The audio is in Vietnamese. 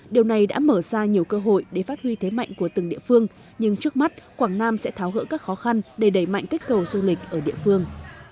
điều này đã mở ra nhiều cơ hội để phát huy thế mạnh của từng địa phương nhưng trước mắt quảng nam sẽ tháo gỡ các khó khăn để đẩy mạnh kết cầu du lịch ở địa phương